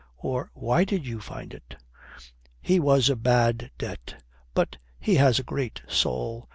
Or why did you find it?" "He was a bad debt. But he has a great soul.